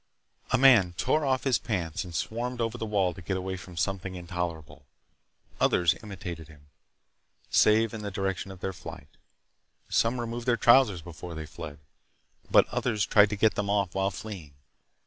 A man tore off his pants and swarmed over the wall to get away from something intolerable. Others imitated him, save in the direction of their flight. Some removed their trousers before they fled, but others tried to get them off while fleeing.